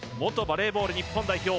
バレーボール日本代表